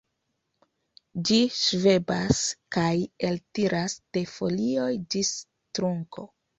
Ĝi ŝvebas kaj eltiras, de folioj ĝis trunko.